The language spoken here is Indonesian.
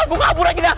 buka abur lagi dah